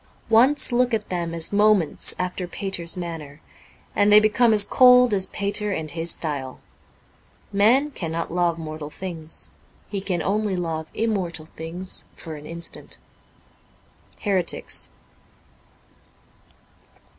Once look at them as moments after Pater's manner, and they become as cold as Pater and his style. Man cannot love mortal things. He can only love immortal things for an instant. ' Heretics.